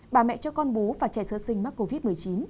bà mẹ cho con bú và trẻ sơ sinh mắc covid một mươi chín